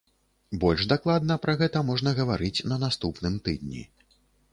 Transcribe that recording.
Больш дакладна пра гэта можна гаварыць на наступным тыдні.